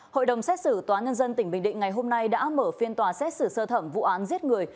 hội đồng xét xử tòa nhân dân tỉnh bình định ngày hôm nay đã mở phiên tòa xét xử sơ thẩm vụ án giết người